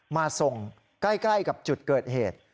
มาส่งใกล้กับจุดเกิดเหตุ